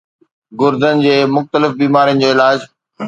گردئن جي مختلف بيمارين جو علاج